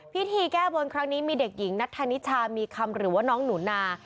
พิธีแก้บนครั้งนี้มีเด็กหญิงนัทธานิชามีคำหรือว่าน้องหนูนา